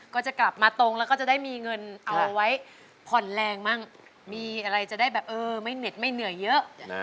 ก็จะกลับมาตรงแล้วก็จะได้มีเงินเอาไว้ผ่อนแรงมั่งมีอะไรจะได้แบบเออไม่เหน็ดไม่เหนื่อยเยอะ